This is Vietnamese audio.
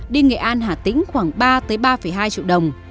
đi nghệ an hà tĩnh khoảng ba hai triệu đồng